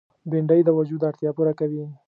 بېنډۍ د وجود اړتیا پوره کوي